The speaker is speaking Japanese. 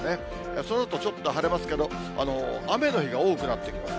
そのあとちょっと晴れますけど、雨の日が多くなってきますね。